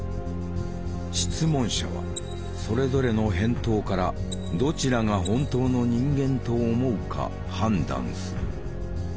質問者はそれぞれの返答からどちらが本当の人間と思うか判断する。